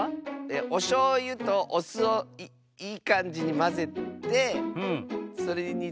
おしょうゆとおすをいいかんじにまぜてそれにつけてたべます！